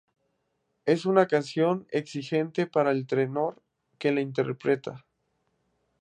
Es una canción exigente para el tenor que la interpreta.